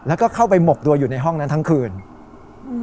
แล้วก็เข้าไปหมกตัวอยู่ในห้องนั้นทั้งคืนอืม